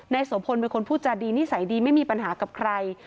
โสพลเป็นคนพูดจาดีนิสัยดีไม่มีปัญหากับใคร